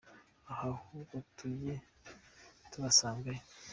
aha ahubwo tujye tubasangayo.